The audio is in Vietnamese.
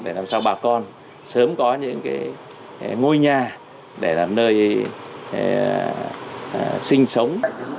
để làm sao bà con sớm có những ngôi nhà để làm nơi sinh sống